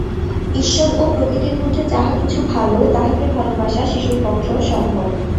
ঈশ্বর ও প্রকৃতির মধ্যে যাহা কিছু ভাল, তাহাকে ভালবাসা শিশুর পক্ষেও সম্ভব।